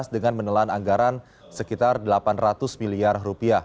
dengan menelan anggaran sekitar rp delapan ratus miliar